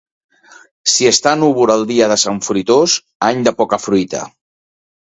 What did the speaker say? Si està núvol el dia de Sant Fruitós, any de poca fruita.